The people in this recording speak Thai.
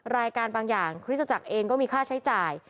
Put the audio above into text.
รายการบางอย่างคริสตจักรเองก็มีค่าใช้จ่าย